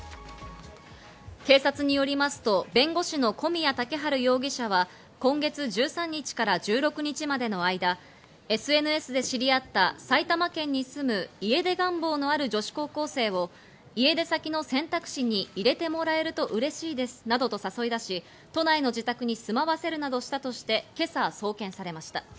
警察によりますと弁護士の古宮岳晴容疑者は、今月１３日から１６日までの間、ＳＮＳで知り合った埼玉県に住む家出願望のある女子高校生を家出先の選択肢に入れてもらえると嬉しいですなどと誘い出し、都内の自宅に住まわせるなどしたとして、今朝送検されました。